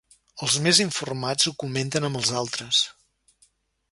Els més informats ho comenten amb els altres.